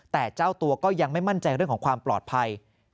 แต่เจ้าตัวก็ยังไม่มั่นใจเรื่องของความปลอดภัย